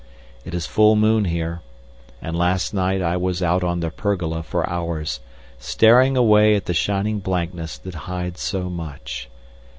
It is full moon here, and last night I was out on the pergola for hours, staring away at the shining blankness that hides so much.